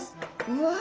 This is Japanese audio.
うわ！